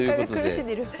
苦しんでる。